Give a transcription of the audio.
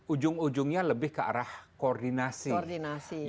ujung ujungnya lebih ke arah koordinasi